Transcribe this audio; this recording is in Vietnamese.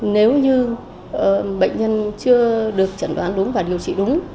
nếu như bệnh nhân chưa được chẩn đoán đúng và điều trị đúng